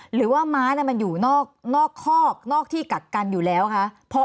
หรือว่าม้ามันอยู่นอกคอกนอกที่กักกันอยู่แล้วคะ